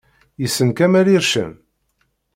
Yessen Kamel Ircen?